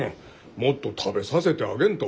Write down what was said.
もっと食べさせてあげんと。